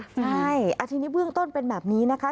ใช่ทีนี้เบื้องต้นเป็นแบบนี้นะคะ